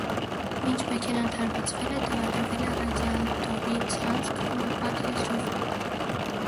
Մինչ մեքենան թարմացվել է, տեղադրվել է ռադիատորի ցանց՝ քրոմապատ եզրով։